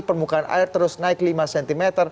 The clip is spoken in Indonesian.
permukaan air terus naik lima cm